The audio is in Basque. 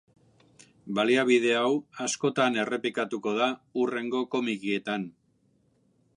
Baliabide hau askotan errepikatuko da hurrengo komikietan.